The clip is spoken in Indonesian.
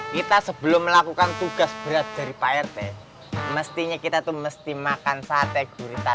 kita sebelum melakukan tugas berat dari pak rt mestinya kita tuh mesti makan sate gurita